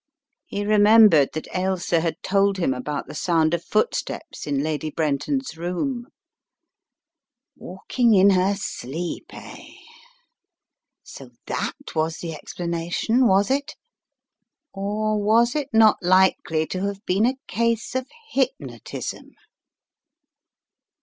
He remembered that Ailsa had told him about the sound of footsteps in Lady Brenton's room ... Walking in her sleep, eh? So that was the explanation, was it? Or was it not likely to have been a case of hypnotism?